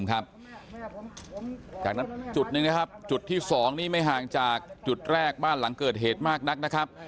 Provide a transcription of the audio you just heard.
นี่ครับท่านผู้ชมครับจุดที่๒ไม่ห่างจากจุดแรกบ้านหลังเกิดเหตุมากนักนะครับ